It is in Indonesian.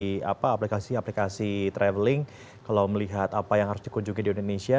di aplikasi aplikasi traveling kalau melihat apa yang harus dikunjungi di indonesia